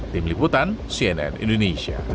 tim liputan cnn indonesia